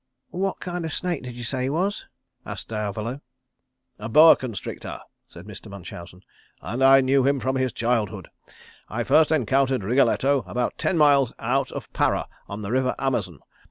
"What kind of a snake did you say he was?" asked Diavolo. "A boa constrictor," said Mr. Munchausen, "and I knew him from his childhood. I first encountered Wriggletto about ten miles out of Para on the river Amazon.